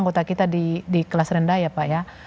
karena memang mayoritas anggota kita di kelas rendah ya pak ya